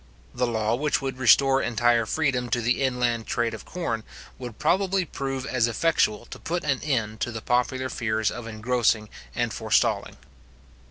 The law which would restore entire freedom to the inland trade of corn, would probably prove as effectual to put an end to the popular fears of engrossing and forestalling.